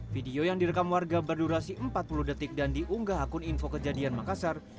video yang direkam warga berdurasi empat puluh detik dan diunggah akun info kejadian makassar